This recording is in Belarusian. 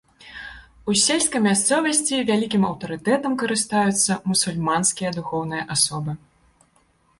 У сельскай мясцовасці вялікім аўтарытэтам карыстаюцца мусульманскія духоўныя асобы.